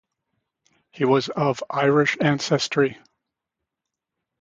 He was of Irish ancestry.